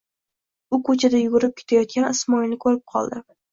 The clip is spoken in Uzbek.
U ko'chada yugurib ketayotgan Ismoilni ko'rib qoldi.